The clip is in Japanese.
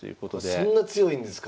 そんな強いんですか？